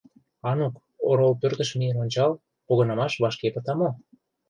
— Анук, орол пӧртыш миен ончал, погынымаш вашке пыта мо?